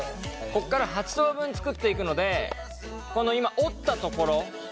ここから８等分作っていくのでこの今折った所を合わせます。